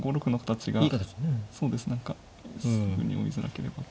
そうです何かすぐに追いづらければと。